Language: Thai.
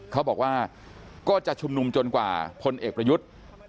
เขาบอกว่าก็จะชุมนุมจนกว่าพลเอกประยุทธ์